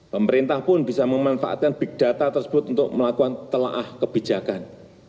pemerintah pun bisa memanfaatkan big data tersebut untuk melakukan telahah kebijakan